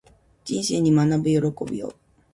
人生に学ぶ喜びを